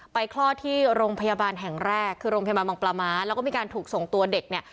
คลอดที่โรงพยาบาลแห่งแรกคือโรงพยาบาลมังปลาม้าแล้วก็มีการถูกส่งตัวเด็กเนี่ย